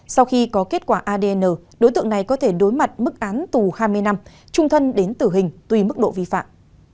sau khi có kết quả adn đối tượng này có thể đối mặt mức án tù hai mươi năm trung thân đến tử hình tùy mức độ vi phạm